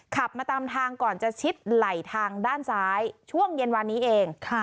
ขับมาตามทางก่อนจะชิดไหล่ทางด้านซ้ายช่วงเย็นวานนี้เอง